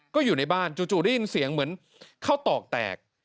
ก็อยู่ในบ้านจู่ได้ยินเสียงเหมือนข้าวตอกแตก